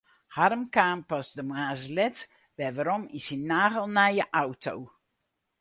Harm kaam pas de moarns let wer werom yn in nagelnije auto.